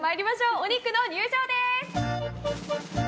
お肉の入場です！